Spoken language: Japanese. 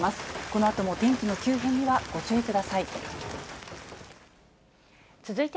このあとも天気の急変にはご注意ください。